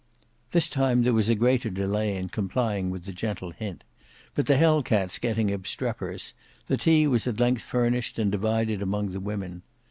This time there was a greater delay in complying with the gentle hint; but the Hell cats getting obstreperous, the tea was at length furnished and divided among the women.